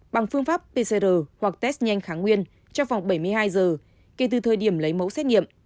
bằng phương pháp pcr hoặc test nhanh kháng nguyên trong vòng bảy mươi hai giờ kể từ thời điểm lấy mẫu xét nghiệm